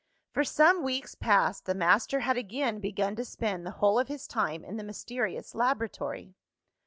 For some weeks past, the master had again begun to spend the whole of his time in the mysterious laboratory.